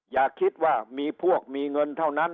อย่าคิดว่ามีพวกมีเงินเท่านั้น